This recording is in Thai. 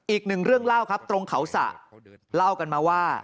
อีกหนึ่งเรื่องเล่าครับตรงเขาสระเล่ากันมาว่า